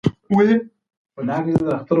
رحمان بابا په خپلو بیتونو کې تکرار خوښاوه.